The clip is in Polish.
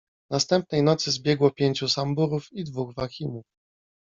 Następnej nocy zbiegło pięciu Samburów i dwóch Wahimów.